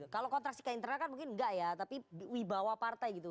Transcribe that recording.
kalau kontraksi ke internal kan mungkin enggak ya tapi wibawa partai gitu